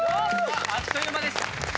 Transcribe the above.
あっという間でした。